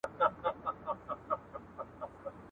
• دنيا خپله لري، روی پر عالم لري.